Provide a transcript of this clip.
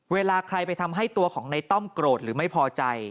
เวลาใครไปทำให้ตัวของในต้อมโกรธหรือไม่พอใจ